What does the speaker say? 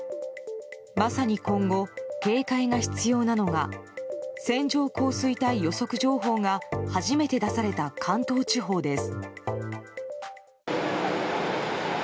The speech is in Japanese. まさに今後、警戒が必要なのが線状降水帯予測情報が初めて出された関東地方です。